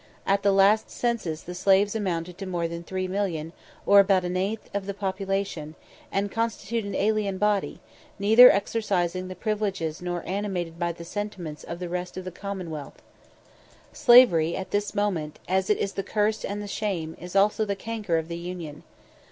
_ At the last census the slaves amounted to more than 3,000,000, or about an eighth of the population, and constitute an alien body, neither exercising the privileges nor animated by the sentiments of the rest of the commonwealth. Slavery at this moment, as it is the curse and the shame, is also the canker of the Union.